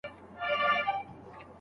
ایا تکړه پلورونکي ممیز صادروي؟